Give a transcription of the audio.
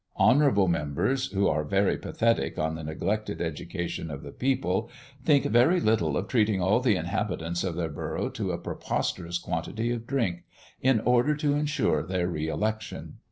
Honourable members, who are very pathetic on the neglected education of the people, think very little of treating all the inhabitants of their borough to a preposterous quantity of drink, in order to ensure their re election.